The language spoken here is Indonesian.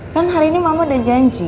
kan hari ini mama ada janji